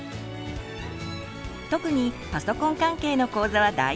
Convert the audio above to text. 特にパソコン関係の講座は大人気です。